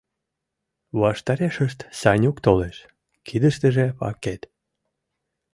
Ваштарешышт Санюк толеш, кидыштыже пакет.